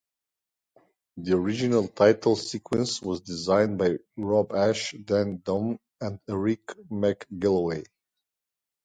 The original title sequence was designed by Rob Ashe, Dan Dome and Eric McGilloway.